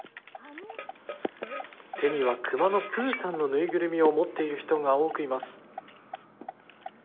手にはくまのプーさんのぬいぐるみを持っている人が多くいます。